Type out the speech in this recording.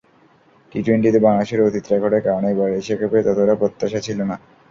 টি-টোয়েন্টিতে বাংলাদেশের অতীত রেকর্ডের কারণে এবারের এশিয়া কাপে ততটা প্রত্যাশা ছিল না।